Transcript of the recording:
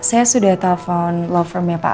saya sudah telepon law firmnya pak aku